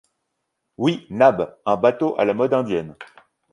Oui, Nab, un bateau à la mode indienne.